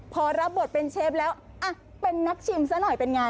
พอรับบทเป็นเชฟแล้วเป็นนักชิมซะหน่อยเป็นไง